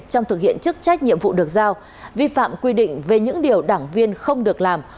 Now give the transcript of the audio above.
trong thực hiện chức trách nhiệm vụ được giao vi phạm quy định về những điều đảng viên không được làm